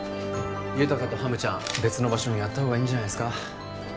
ゆたかとハムちゃん別の場所にやったほうがいいんじゃないですか？